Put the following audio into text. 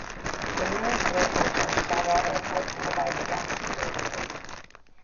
The nearest airports are Saga Airport followed by Nagasaki Airport.